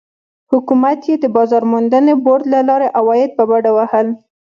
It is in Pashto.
حکومت یې د بازار موندنې بورډ له لارې عواید په بډه وهل.